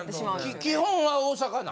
基本は大阪なん？